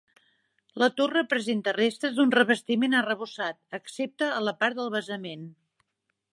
La torre presenta restes d'un revestiment arrebossat, excepte a la part del basament.